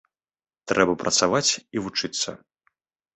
Трэба працаваць і вучыцца!